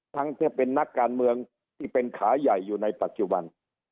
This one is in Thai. ที่เป็นขาใหญ่อยู่ในปัจจุบัน